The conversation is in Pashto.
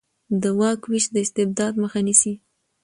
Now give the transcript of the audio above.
د واک وېش د استبداد مخه نیسي